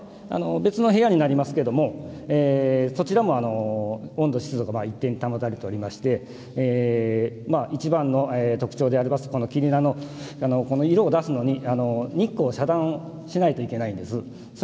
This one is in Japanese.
別の部屋になりますがそちらも温度、湿度が一定に保たれておりましていちばんの特徴であります黄ニラのこの色を出すのに日光を遮断しないといけないんです。